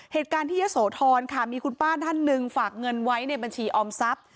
เหตุการณ์ที่ยะโสธรค่ะมีคุณป้าท่านหนึ่งฝากเงินไว้ในบัญชีออมทรัพย์